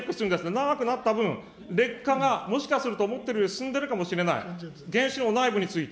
長くなった分、劣化がもしかすると思っているより進んでるかもしれない、原子炉の内部について。